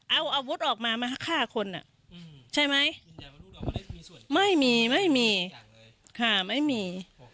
เอาอาวุธออกมามาฆ่าคนใช่ไหมไม่มีไม่มีค่ะไม่มี